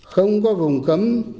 không có vùng cấm